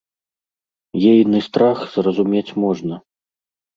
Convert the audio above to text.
Ейны страх зразумець можна.